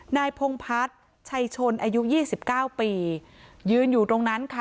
นายพงพัฒน์ชัยชนอายุยี่สิบเก้าปียืนอยู่ตรงนั้นค่ะ